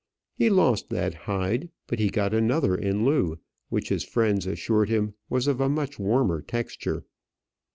He lost that hide; but he got another in lieu which his friends assured him was of a much warmer texture.